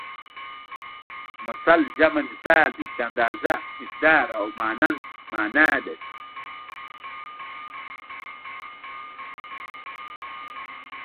مثل جمع مثال دی چې اندازه مقدار او مانند مانا لري